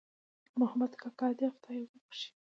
محمود کاکا دې خدای وبښي